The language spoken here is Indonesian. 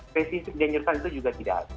spesifik dinyurkan itu juga tidak